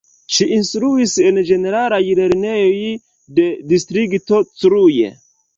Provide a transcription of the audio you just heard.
Ŝi instruis en ĝeneralaj lernejoj de Distrikto Cluj.